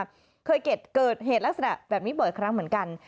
เคยเกิดเหตุลักษณะแบบนี้บ่อยครั้งเหมือนกัน